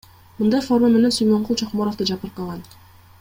Мындай форма менен Сүймөнкул Чокморов да жабыркаган.